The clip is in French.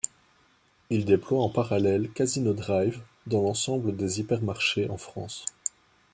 Il déploie en parallèle Casino Drive dans l'ensemble des hypermarchés en France.